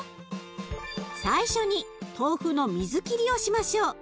最初に豆腐の水切りをしましょう。